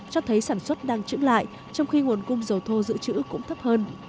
cho thấy sản xuất đang chững lại trong khi nguồn cung dầu thô giữ chữ cũng thấp hơn